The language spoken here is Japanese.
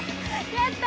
やった！